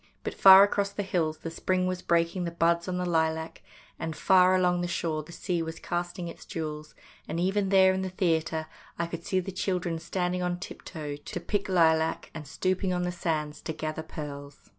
But far across the hills the spring was breaking the buds on the lilac, and far along the shore the sea was casting its jewels, and even there in the theatre I could see the children standing on tiptoe to 90 THE DAY BEFORE YESTERDAY pick lilac, and stooping on the sands to gather pearls.